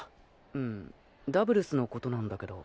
うんダブルスのことなんだけど。